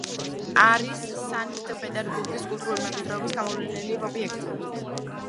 არის სანქტ-პეტერბურგის კულტურული მემკვიდრეობის გამოვლენილი ობიექტი.